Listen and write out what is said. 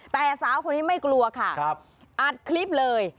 แต่สาวคนนี้ไม่กลัวค่ะอัดคลิปเลย